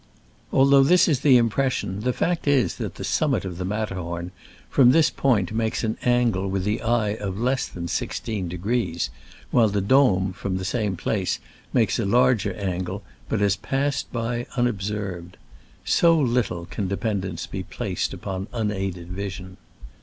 Although this is the impression, the fact is that the sum mit of the Matterhorn from this point makes an angle with the eye of less than 16°, while the Dom, from the same place, makes a larger angle, but is pass ed by unobserved. So little can de pendence be placed on unaided vision.